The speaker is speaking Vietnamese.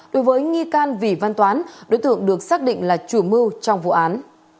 đối với nghi can vì văn toán đối tượng được xác định là chủ mưu trong vụ án